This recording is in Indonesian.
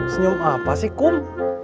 senyum apa sih kum